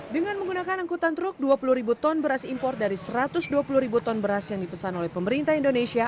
dengan menggunakan angkutan truk dua puluh ribu ton beras impor dari satu ratus dua puluh ribu ton beras yang dipesan oleh pemerintah indonesia